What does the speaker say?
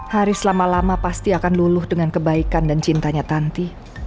haris lama lama pasti akan luluh dengan kebaikan dan cintanya tanti